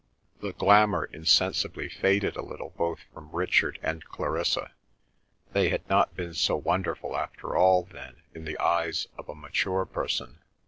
The glamour insensibly faded a little both from Richard and Clarissa. They had not been so wonderful after all, then, in the eyes of a mature person.